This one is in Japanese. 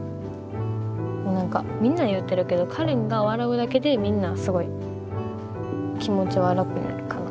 もう何かみんなに言うてるけどかれんが笑うだけでみんなすごい気持ちは楽になるかなと。